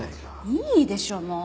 いいでしょもう。